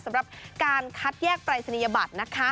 สำหรับการคัดแยกปรายศนียบัตรนะคะ